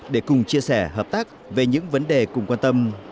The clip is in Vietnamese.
để cùng chia sẻ hợp tác về những vấn đề cùng quan tâm